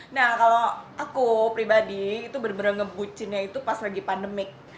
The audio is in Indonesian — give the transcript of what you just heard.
nah kalau aku pribadi itu bener bener ngebucinnya itu pas lagi pandemik